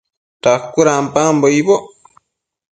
Dacuëdampambo icboc